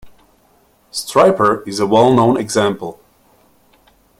Stryper is a well-known example.